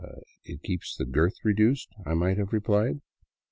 " It keeps the girth reduced," I might have replied.